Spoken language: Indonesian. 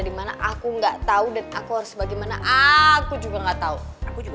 dimana aku enggak tahu dan aku harus bagaimana aku juga enggak tahu aku juga